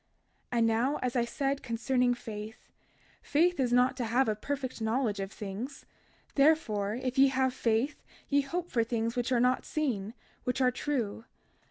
32:21 And now as I said concerning faith—faith is not to have a perfect knowledge of things; therefore if ye have faith ye hope for things which are not seen, which are true.